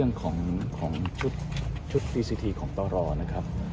มองว่าเป็นการสกัดท่านหรือเปล่าครับเพราะว่าท่านก็อยู่ในตำแหน่งรองพอด้วยในช่วงนี้นะครับ